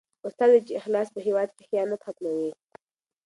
استاد وویل چې اخلاص په هېواد کې خیانت ختموي.